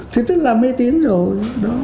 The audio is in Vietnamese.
thì tức là mê tín rồi